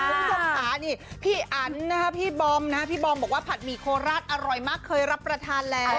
คุณผู้ชมขาพี่อันพี่บอล์มพี่บอล์มบอกว่าผัดหมี่โคลาสอร่อยมากเคยรับประทานแล้ว